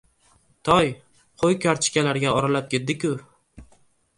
— Toy! Qo‘y kartishkaga oralab ketdi-ku!